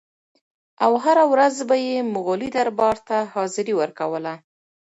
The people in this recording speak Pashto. او هره ورځ به یې مغولي دربار ته حاضري ورکوله.